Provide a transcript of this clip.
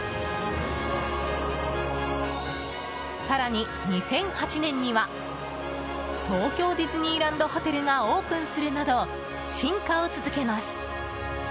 更に２００８年には東京ディズニーランドホテルがオープンするなど進化を続けます。